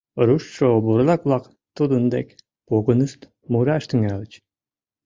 Руштшо бурлак-влак тудын дек погынышт, мураш тӱҥальыч: